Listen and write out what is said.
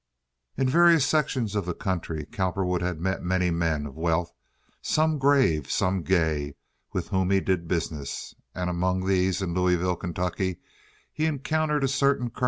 In various sections of the country Cowperwood had met many men of wealth, some grave, some gay, with whom he did business, and among these in Louisville, Kentucky, he encountered a certain Col.